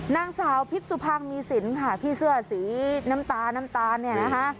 นางสาวพิษสุพังมีสินค่ะพี่เสื้อสีน้ำตาน้ำตาลเนี่ยนะคะ